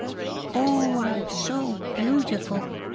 oh, so beautiful...